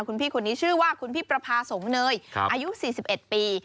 คุณพี่คนนี้ชื่อว่าคุณพี่ประพาสงเนยอายุ๔๑ปี